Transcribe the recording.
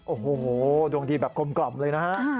โอ้โหดวงดีแบบกลมเลยนะฮะ